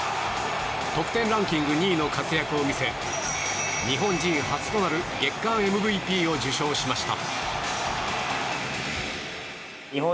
得点ランキング２位の活躍を見せ日本人初となる月間ＭＶＰを受賞しました。